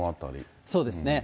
そうですね。